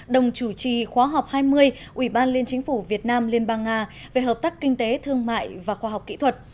đồng chủ trì khóa họp hai mươi ủy ban liên chính phủ việt nam liên bang nga về hợp tác kinh tế thương mại và khoa học kỹ thuật